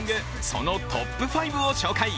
そのトップ５を紹介。